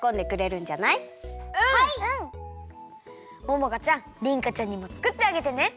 ももかちゃんりんかちゃんにもつくってあげてね！